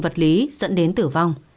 vật lý dẫn đến tử vong